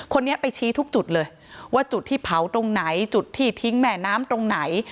คนนี้ไปชี้ทุกจุดเลยว่าจุดที่เผาตรงไหนจุดที่ทิ้งแม่น้ำตรงไหน